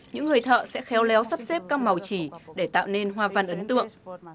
những người thợ sẽ khéo léo sắp xếp các màu chỉ để tạo nên hoa văn ấn tượng